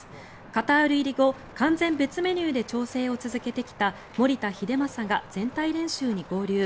カタール入り後完全別メニューで調整を続けてきた守田英正が全体練習に合流。